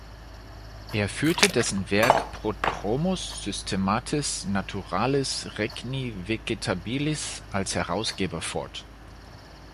Er führte dessen Werk "Prodromus systematis naturalis regni vegetabilis" als Herausgeber fort.